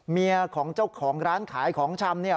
เมียของเจ้าของร้านขายของชำเนี่ย